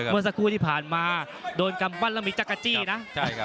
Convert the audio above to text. เมื่อสักครู่ที่ผ่านมาโดนกำปั้นแล้วมีจักรจี้นะ